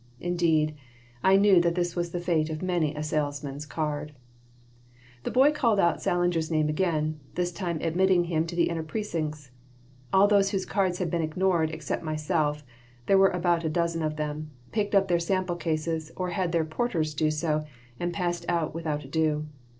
Indeed, I knew that this was the fate of many a salesman's card The boy called out Sallinger's name again, this time admitting him to the inner precincts. All those whose cards had been ignored except myself there were about a dozen of them picked up their sample cases or had their porters do so and passed out without ado.